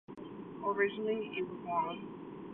Originally it was long.